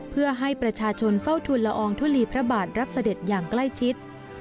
เพื่อให้ประชาชนเฝ้าทุนละอองทุลีพระบาทรับเสด็จอย่างใกล้ชิด